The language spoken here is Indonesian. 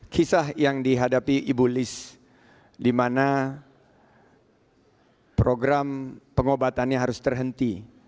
kisah yang dihadapi ibu liz dimana program pengobatannya harus terhenti